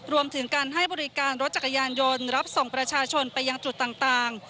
รวมถึงการให้บริการรถจักรยานยนต์รับส่งประชาชนไปยังจุดต่าง